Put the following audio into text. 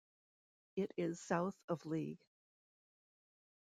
It is south of Lee.